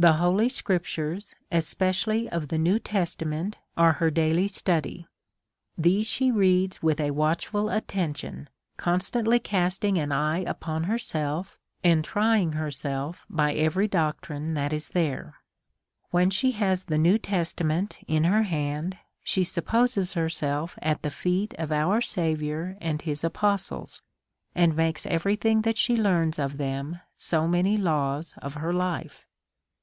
The Holy Scriptures, especially of the New Testa ment, are her daily study ; these she reads with a M^atcliful attention, constantly casting an eye upon herself, and trying herself, by every doctrine that is there. When she has the New Testament in her hand, she supposes herself at the feet of our Saviour and his apostles, and makes every thing that she learns of them so many laws of her life.